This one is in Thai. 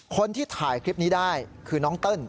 คนที่ถ่ายคลิปนี้ได้คือน้องเติ้ล